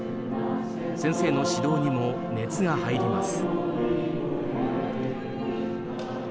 先生の指導にも熱が入ります。